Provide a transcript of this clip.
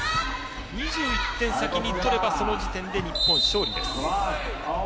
２１点先に取ればその時点で日本勝利です。